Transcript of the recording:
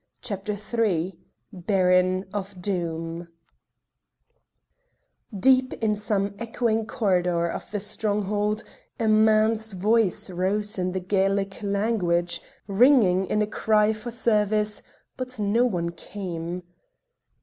CHAPTER III BARON OF DOOM Deep in some echoing corridor of the stronghold a man's voice rose in the Gaelic language, ringing in a cry for service, but no one came.